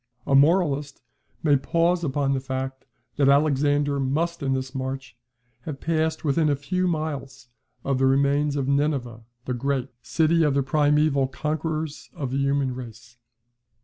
A moralist may pause upon the fact, that Alexander must in this march have passed within a few miles of the remains of Nineveh, the great, city of the primaeval conquerors of the human race.